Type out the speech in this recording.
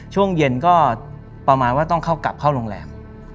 ช่วงเย็นก็ประมาณว่าต้องเข้ากลับเข้าโรงแรม